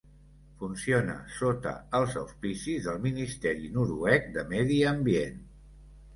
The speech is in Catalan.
Funciona sota els auspicis del Ministeri noruec de medi ambient.